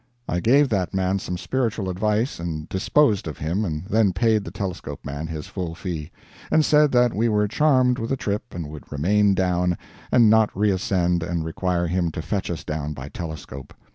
I gave that man some spiritual advice and disposed of him, and then paid the telescope man his full fee, and said that we were charmed with the trip and would remain down, and not reascend and require him to fetch us down by telescope.